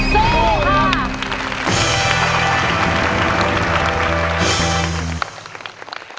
สู้ครับ